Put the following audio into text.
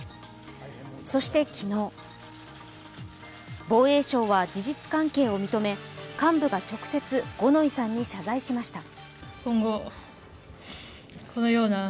そして昨日、防衛省は事実関係を認め幹部が直接、五ノ井さんに謝罪しました。